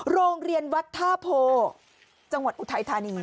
โรงเรียนวัดท่าโพจังหวัดอุทัยธานี